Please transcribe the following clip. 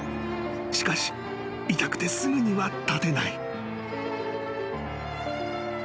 ［しかし痛くてすぐには立てない］